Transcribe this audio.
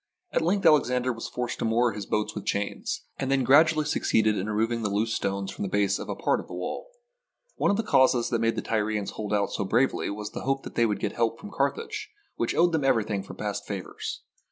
At length Alexander was forced to moor his boats with chains, and then gradually suc ceeded in removing the loose stones from the base of a part of the wall. One of the causes that made the Tyrians hold out so bravely was the hope that they would get help from Carthage, which owed them everything for past favours.